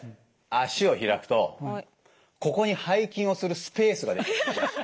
足を開くとここに背筋をするスペースが出来ます。